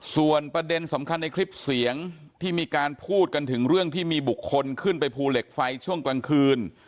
ส่วนประเด็นสำคัญในคลิปเสียงที่มีการพูดกันถึงเรื่องที่มีบุคคลขึ้นไปภูเหล็กไฟช่วงกลางคืน